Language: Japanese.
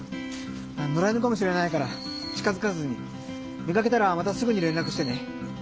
のら犬かもしれないから近づかずに見かけたらまたすぐにれんらくしてね。